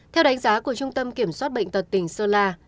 theo đánh giá của trung tâm kiểm soát bệnh tật tỉnh sơn la